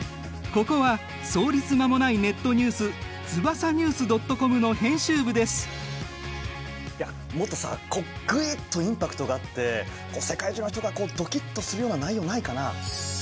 ここは創立間もないネットニュースいやもっとさあこうグイッとインパクトがあって世界中の人がこうドキッとするような内容ないかな？